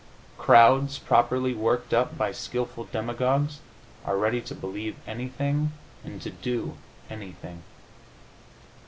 Crowds, properly worked up by skilful demagogues, are ready to believe anything, and to do anything.